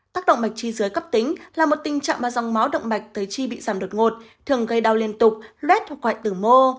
tác động mạch chi dưới cấp tính là một tình trạng mà dòng máu động mạch tới chi bị giảm đột ngột thường gây đau liên tục luet hoặc quại tử mô